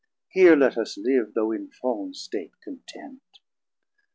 Here let us live, though in fall'n state, content.